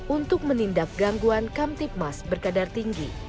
untuk menindak gangguan kamtip mas berkadar tinggi